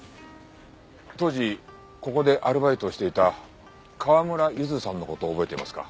当時ここでアルバイトをしていた川村ゆずさんの事を覚えていますか？